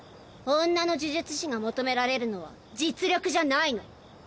女の呪術師が求められるのは実力じゃないの。